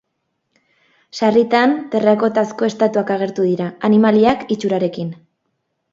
Sarritan, terrakotazko estatuak agertu dira, animaliak itxurarekin.